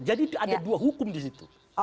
jadi ada dua hukum disitu